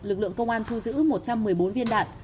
lực lượng công an thu giữ một trăm một mươi bốn viên đạn